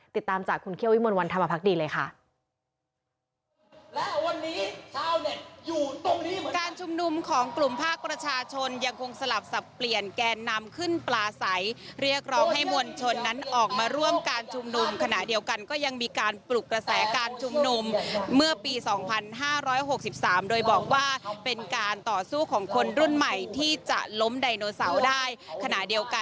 ติดตามจากคุณเคี่ยววิมลวันธรรมพักดีเลยค่ะ